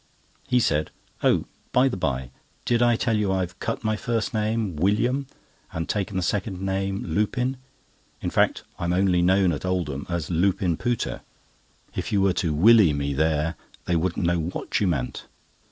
He said: "Oh, by the by, did I tell you I've cut my first name, 'William,' and taken the second name 'Lupin'? In fact, I'm only known at Oldham as 'Lupin Pooter.' If you were to 'Willie' me there, they wouldn't know what you meant."